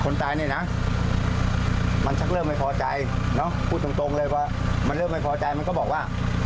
และอันนี้ก็โหไอ้เอ็มอ่ะนะ